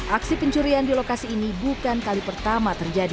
aksi pencurian di lokasi ini bukan kali pertama terjadi